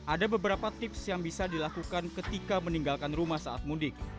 ada beberapa tips yang bisa dilakukan ketika meninggalkan rumah saat mudik